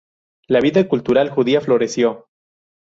La vida cultural judía floreció.